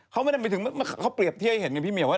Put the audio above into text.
เขาไม่ได้หมายถึงเขาเปรียบเทียบให้เห็นไงพี่เหมียวว่า